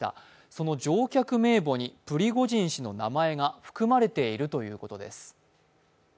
その乗客名簿にプリゴジン氏の名前が含まれているということです。